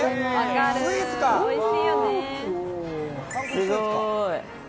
すごい！